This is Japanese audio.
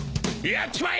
やっちまえ！